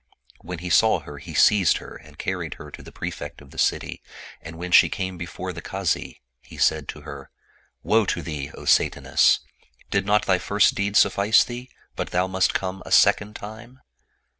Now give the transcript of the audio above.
When he saw her, he seized her and carried her to the Pre fect of the city ; and when she came before the Kazi, he said to her, " Woe to thee, O Sataness; did not thy first deed suf fice thee, but thou must come a second time?